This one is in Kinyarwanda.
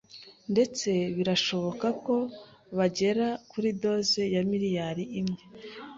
ndetse birashoboka ko bagera kuri doze miliyari imwe